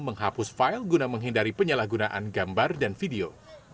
menghapus file guna menghindari penyalahgunaan gambar dan video